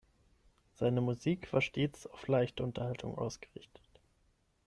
Seine Musik war stets auf leichte Unterhaltung ausgerichtet.